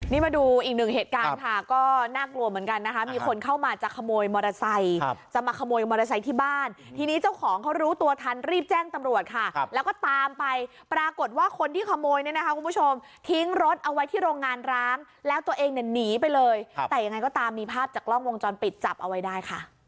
นี่มาดูอีกหนึ่งเหตุการณ์ค่ะก็น่ากลัวเหมือนกันนะคะมีคนเข้ามาจะขโมยมอเตอร์ไซค์จะมาขโมยมอเตอร์ไซค์ที่บ้านทีนี้เจ้าของเขารู้ตัวทันรีบแจ้งตำรวจค่ะแล้วก็ตามไปปรากฏว่าคนที่ขโมยเนี่ยนะคะคุณผู้ชมทิ้งรถเอาไว้ที่โรงงานร้างแล้วตัวเองเนี่ยหนีไปเลยแต่ยังไงก็ตามมีภาพจากกล้องวงจรปิดจับเอาไว้ได้ค่ะ